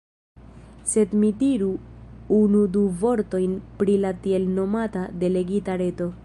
Sed mi diru unu-du vortojn pri la tiel-nomata "Delegita Reto".